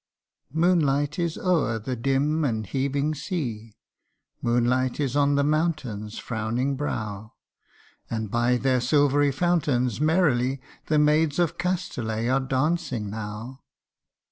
MOONLIGHT is o'er the dim and heaving sea, Moonlight is on the mountain's frowning brow, And by their silvery fountains merrily The maids of Castaly are dancing now.